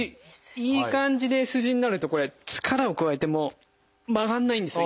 いい感じでＳ字になるとこれ力を加えても曲がらないんですよ。